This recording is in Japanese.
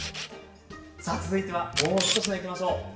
さっ続いてはもう１品いきましょう。